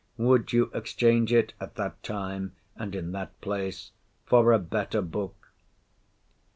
Would you exchange it—at that time, and in that place—for a better book?